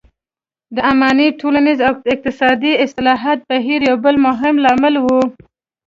د اماني ټولنیز او اقتصادي اصلاحاتو بهیر یو بل مهم لامل و.